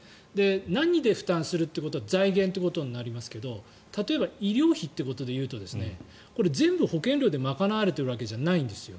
何で負担するということは財源ということになりますけど例えば、医療費ということで言うとこれ全部保険料で賄われているわけじゃないんですよ。